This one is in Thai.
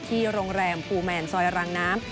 โรงแรมภูแมนซอยรังน้ำ